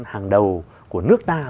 hàng đầu của nước ta